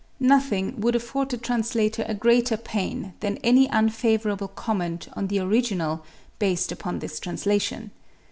Nothing would afford the translator a greater pain than any unfavorable comment on the original based upon this translation.